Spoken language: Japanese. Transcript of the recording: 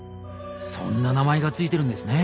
そんな名前が付いてるんですねえ。